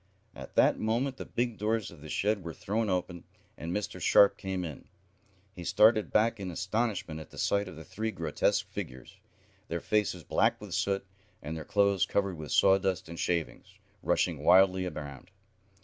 At that moment the big doors of the shed were thrown open, and Mr. Sharp came in. He started back in astonishment at the sight of the three grotesque figures, their faces black with the soot, and their clothes covered with sawdust and shavings, rushing wildly around.